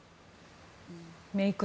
メイク